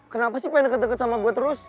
kenapa sih pengen deket deket sama gue terus